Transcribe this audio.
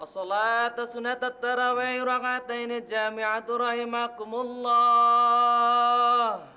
assalat sunat at tarawiyyir raqataini jami'atur rahimahkumullah